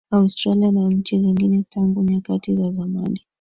Australia na nchi zingine Tangu nyakati za zamani